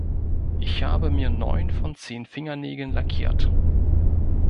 Ich habe mir neun von zehn Fingernägeln lackiert.